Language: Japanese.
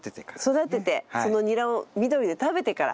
育ててそのニラを緑で食べてから。